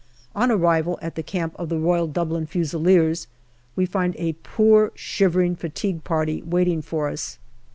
On arrival at the camp of the Royal Dublin Fusiliers, we find a poor shivering fatigue party waiting for us.